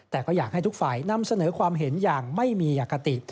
แต่ก็อยากให้ทุกฝ่ายนำเสนอความเห็นอย่างไม่มีอคติ